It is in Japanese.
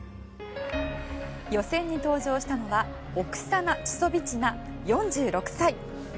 予選の登場したのはオクサナ・チュソビチナ４６歳。